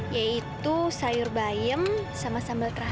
yaitu sayur bayam sama sambal terasa